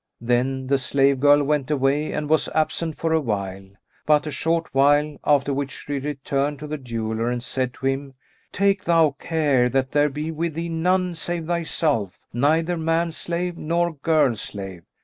Then the slave girl went away and was absent for a while, but a short while, after which she returned to the jeweller and said to him, "Take thou care that there be with thee none save thyself, neither man slave nor girl slave."